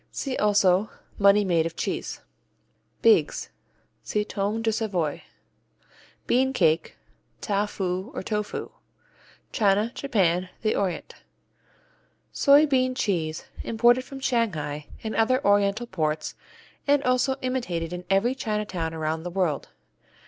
Also see Money Made of Cheese. Beagues see Tome de Savoie. Bean Cake, Tao foo, or Tofu China, Japan, the Orient Soy bean cheese imported from Shanghai and other oriental ports, and also imitated in every Chinatown around the world.